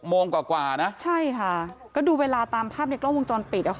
โมงกว่านะใช่ค่ะก็ดูเวลาตามภาพในกล้องวงจรปิดอ่ะค่ะ